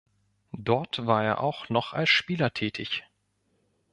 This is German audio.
Dort war er auch noch als Spieler tätig.